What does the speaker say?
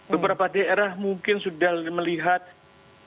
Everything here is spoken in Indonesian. beberapa daerah mungkin sudah melihat menjadikan runus sawah